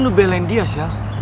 terus ngapain lo belain dia michelle